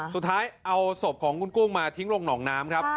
สุดท้ายเอาศพของคุณกุ้งมาทิ้งลงหนองน้ำครับ